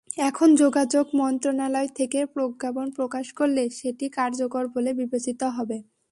এখন যোগাযোগ মন্ত্রণালয় থেকে প্রজ্ঞাপন প্রকাশ করলে সেটি কার্যকর বলে বিবেচিত হবে।